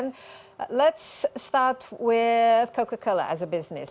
mari kita mulai dengan coca cola sebagai bisnis